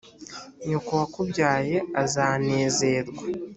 nyoko wakubyaye azanezerwa